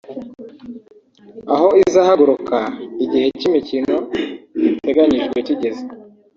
aho izahaguruka igihe cy’imikino giteganyijwe kigeze